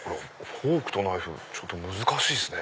フォークとナイフ難しいっすね。